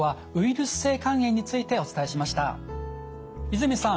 泉さん